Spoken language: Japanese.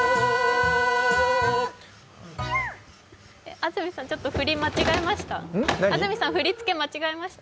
安住さん、ちょっと振り付け間違えました？